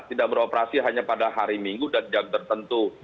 tidak beroperasi hanya pada hari minggu dan jam tertentu